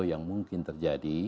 yang mungkin terjadi